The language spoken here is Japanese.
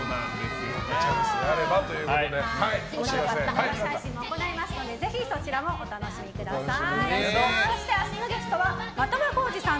見逃し配信も行いますのでぜひそちらもお楽しみください。